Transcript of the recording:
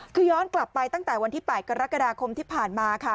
คือย้อนกลับไปตั้งแต่วันที่๘กรกฎาคมที่ผ่านมาค่ะ